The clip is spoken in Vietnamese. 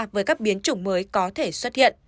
với các biến chủng mới có thể xuất hiện